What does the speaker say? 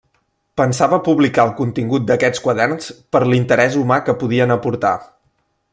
Pensava publicar el contingut d'aquests quaderns per l'interès humà que podien aportar.